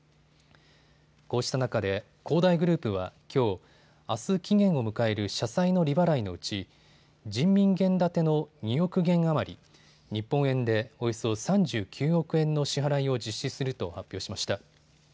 こうした中で恒大グループはきょう、あす期限を迎える社債の利払いのうち人民元建ての２億元余り、日本円でおよそ３９億円の支払いを実施すると発表しました。